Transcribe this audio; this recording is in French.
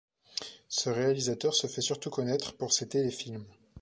Ce réalisateur se fait surtout connaître pour ses téléfilms.